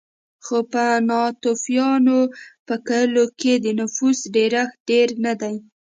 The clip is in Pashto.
خو په ناتوفیانو په کلیو کې د نفوسو ډېرښت ډېر نه دی